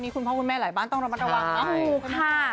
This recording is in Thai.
คุณพ่อคุณแม่หลายบ้านต้องระวังถูกค่ะ